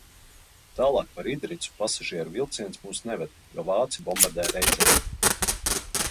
Tālāk par Idricu pasažieru vilciens mūs neved, jo vāci bombardē Rēzekni.